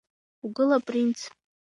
Угыл, апринц!